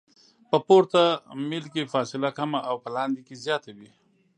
په پورته میل کې فاصله کمه او په لاندې کې زیاته وي